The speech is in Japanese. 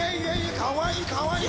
かわいいかわいい！